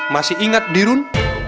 masih ingat dirun